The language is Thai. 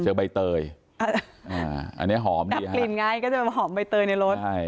เจอใบเตยอ่าอันเนี้ยหอมดับกลิ่นง่ายก็จะหอมใบเตยในรถใช่